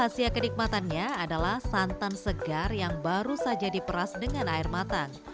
rahasia kenikmatannya adalah santan segar yang baru saja diperas dengan air matang